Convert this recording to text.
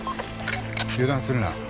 油断するな。